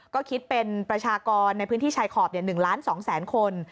ก็คิดเป็นประชากรในพื้นที่ชายขอบ๑ล้าน๒แสนคน